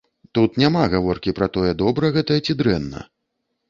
Тут няма гаворкі пра тое, добра гэта ці дрэнна.